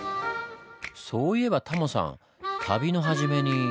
そういえばタモさん旅の初めに。